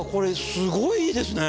すごいいいですね。